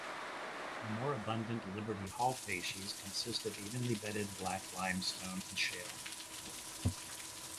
The more abundant Liberty Hall facies consist of evenly bedded black limestone and shale.